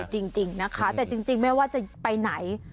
เออจริงนะคะแต่จริงเมื่อจะไปไหน